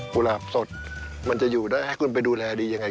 ุหลาบสดมันจะอยู่ได้ให้คุณไปดูแลดียังไง